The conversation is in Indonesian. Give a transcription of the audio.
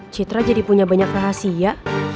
citra jadi punya banyak rahasia